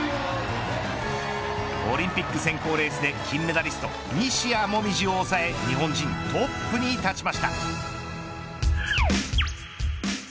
オリンピック選考レースで金メダリスト西矢椛を抑え日本人トップに立ちました。